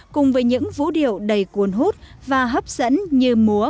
cùng với những vũ điệu đầy cuốn hút và hấp dẫn như múa